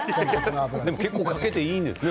でも結構かけてもいいんですね